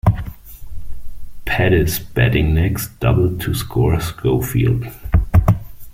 Pettis, batting next, doubled to score Schofield.